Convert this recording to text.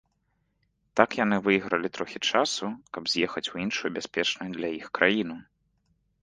Так яны выйгралі трохі часу, каб з'ехаць у іншую бяспечную для іх краіну.